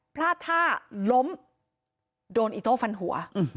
พลาดท่าล้มโดนอิโต้ฟันหัว